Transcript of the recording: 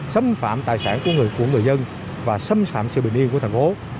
xâm phạm tài sản của người dân và xâm phạm sự bình yên của thành phố